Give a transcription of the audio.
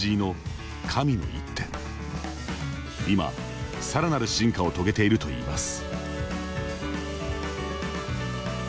今さらなる進化を遂げているといいます。